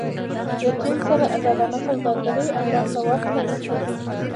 له چین سره ازادانه سوداګري او راکړه ورکړه وکړئ.